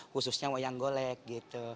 khususnya wayang golek gitu